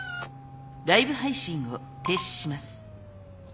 ライブ配信を停止します。